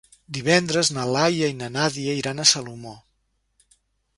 Divendres na Laia i na Nàdia iran a Salomó.